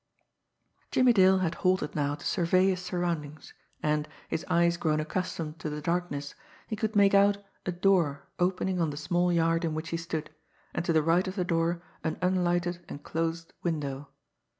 Jimmie Dale had halted now to survey his surroundings, and, his eyes grown accustomed to the darkness, he could make out a door opening on the small yard in which he stood, and to the right of the door an unlighted and closed window.